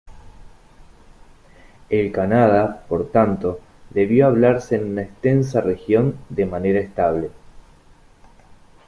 El kannada, por tanto, debió hablarse en una extensa región de manera estable.